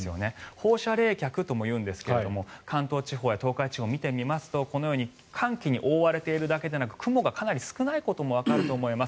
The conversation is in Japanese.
放射冷却ともいうんですが関東地方や東海地方を見てみますとこのように寒気に覆われているだけでなく雲がかなり少ないこともわかると思います。